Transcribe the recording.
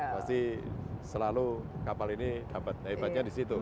pasti selalu kapal ini dapat hebatnya di situ